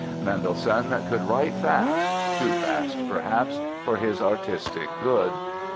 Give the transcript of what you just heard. Mendelssohn could write fast—too fast, perhaps, for his artistic good.